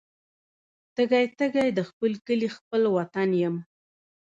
تږي، تږي د خپل کلي خپل وطن یم